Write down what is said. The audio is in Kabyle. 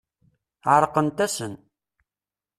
Ɛerqent-asen.